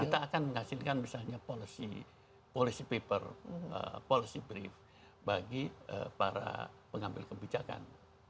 kita akan menghasilkan misalnya policy paper policy brief bagi para pengambil kebijakan